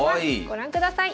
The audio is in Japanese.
ご覧ください。